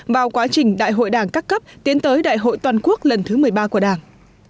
vào quá trình đại hội đảng các cấp tiến tới đại hội toàn quốc lần thứ một mươi ba của đảng